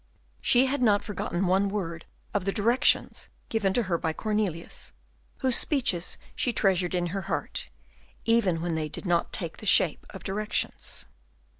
She had not forgotten one word of the directions given to her by Cornelius, whose speeches she treasured in her heart, even when they did not take the shape of directions.